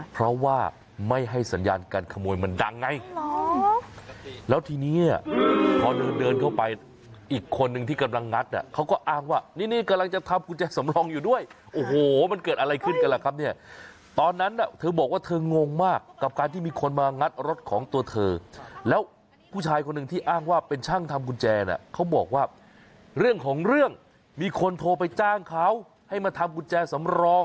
เพราะว่าไม่ให้สัญญาณการขโมยมันดังไงแล้วทีนี้พอเดินเดินเข้าไปอีกคนนึงที่กำลังงัดเนี่ยเขาก็อ้างว่านี่นี่กำลังจะทำกุญแจสำรองอยู่ด้วยโอ้โหมันเกิดอะไรขึ้นกันล่ะครับเนี่ยตอนนั้นน่ะเธอบอกว่าเธองงมากกับการที่มีคนมางัดรถของตัวเธอแล้วผู้ชายคนหนึ่งที่อ้างว่าเป็นช่างทำกุญแจเนี่ยเขาบอกว่าเรื่องของเรื่องมีคนโทรไปจ้างเขาให้มาทำกุญแจสำรอง